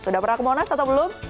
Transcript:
sudah pernah ke monas atau belum